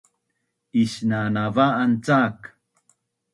Isnanav’an cak